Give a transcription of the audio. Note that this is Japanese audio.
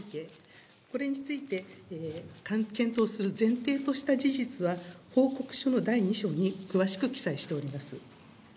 これについて検討する前提とした事実は、報告書の第２章に詳しく記載しております。